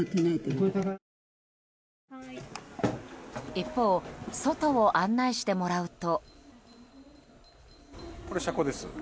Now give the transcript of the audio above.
一方外を案内してもらうと。